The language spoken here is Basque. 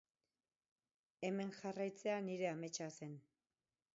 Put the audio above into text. Hemen jarraitzea nire ametsa zen.